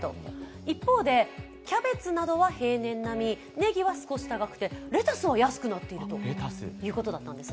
一方で、キャベツなどは平年並みネギは少し高くてレタスは安くなっているということなんです。